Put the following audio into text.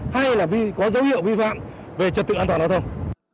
hay là có dấu hiệu vi phạm về trật tự an toàn hóa thông